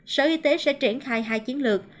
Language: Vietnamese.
sở y tế sẽ triển khai hai chiến lược